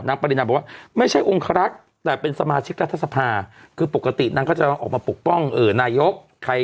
ปรินาบอกว่าไม่ใช่องครักษ์แต่เป็นสมาชิกรัฐสภาคือปกตินางก็จะออกมาปกป้องนายก